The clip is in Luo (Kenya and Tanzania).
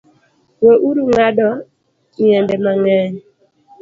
We uru ng’ado nyiende mang’eny